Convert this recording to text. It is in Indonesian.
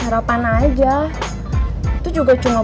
udah peny troops ya